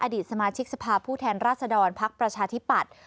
อดีตสมาชิกสภาพผู้แทนราษฎรพักประชาธิปัตย์